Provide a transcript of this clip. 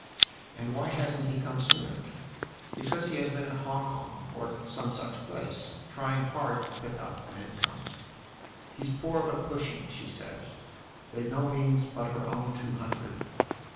" And why hasn't he come sooner ?"" Because he has been at Hong Kong, or some such place, trying hard to pick up an income. "He's 'poor but pushing,' she says. They've no means but her own two hundred."